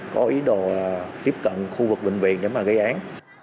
có ý đồ tiếp cận khu vực bệnh viện để mà gây án